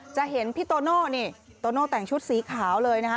จะเห็นพี่โตโน่นี่โตโน่แต่งชุดสีขาวเลยนะฮะ